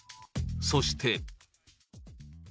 そして。